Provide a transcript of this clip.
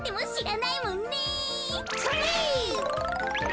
それ！